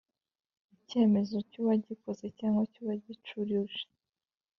icyemezo cy'uwagikoze cyangwa cy'uwagicuruje